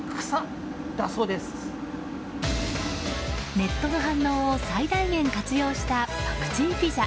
ネットの反応を最大限活用したパクチーピザ。